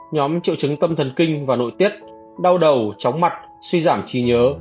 nhóm triệu chứng tâm thần kinh và nội tiết đau đầu chóng mặt suy giảm trí nhớ